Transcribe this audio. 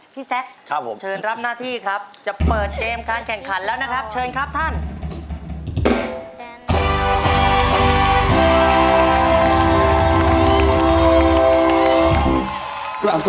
พี่แซ็คเชิญรับหน้าที่ครับจะเปิดเกมการแข่งขันแล้วนะครับ